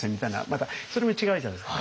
またそれも違うじゃないですか。